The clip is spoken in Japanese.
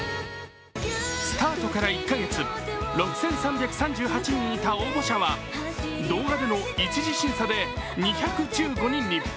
スタートから１カ月、６３３８人いた応募者は動画での一次審査で２１５人に。